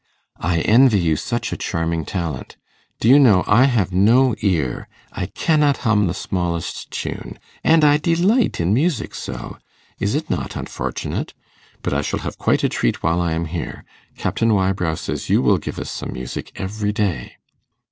'I envy you such a charming talent. Do you know, I have no ear; I cannot hum the smallest tune, and I delight in music so. Is it not unfortunate? But I shall have quite a treat while I am here; Captain Wybrow says you will give us some music every day.